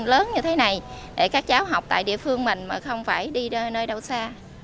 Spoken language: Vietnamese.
lớn như thế này để các cháu học tại địa phương mình mà không phải đi nơi đâu xa